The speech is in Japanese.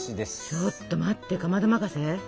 ちょっと待ってかまど任せ？